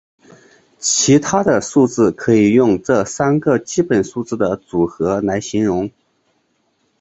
其他的数字可以用这三个基本数字的组合来形容。